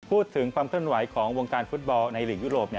พูดถึงความเคลื่อนไหวของวงการฟุตบอลในหลีกยุโรป